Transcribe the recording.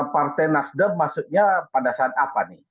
partai nasdem maksudnya pada saat apa nih